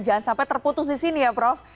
jangan sampai terputus di sini ya prof